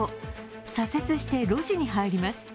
左折して路地に入ります。